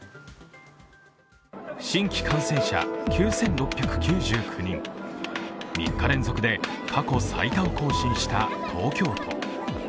新規感染者９６９９人、３日連続で過去最多を更新した東京都。